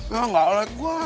ya gak alat gua